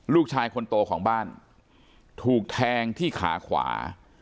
ลูกชายคนโตของบ้านถูกแทงที่ขาขวา